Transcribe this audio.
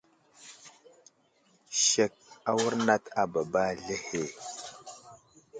Sek awurnat a baba aslehe.